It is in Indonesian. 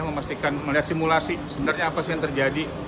memastikan melihat simulasi sebenarnya apa sih yang terjadi